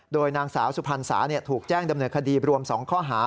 โดยนางสาวสุพรรณสาถูกแจ้งดำเนินคดีรวม๒ข้อหา